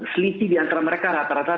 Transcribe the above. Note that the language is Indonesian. selisih di antara mereka rata rata